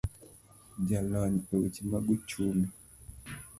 Jalony eweche mag ochumi